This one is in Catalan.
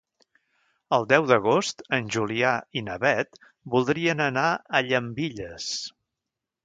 El deu d'agost en Julià i na Beth voldrien anar a Llambilles.